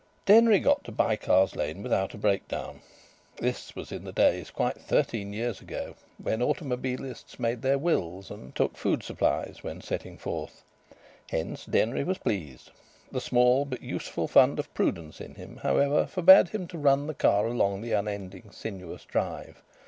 Denry got to Bycars Lane without a breakdown. This was in the days, quite thirteen years ago, when automobilists made their wills and took food supplies when setting forth. Hence Denry was pleased. The small but useful fund of prudence in him, however, forbade him to run the car along the unending sinuous drive.